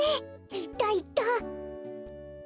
いったいった！